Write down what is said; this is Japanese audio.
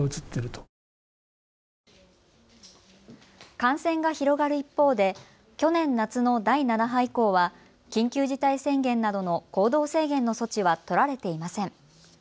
感染が広がる一方で去年夏の第７波以降は緊急事態宣言などの行動制限の措置は取られていません。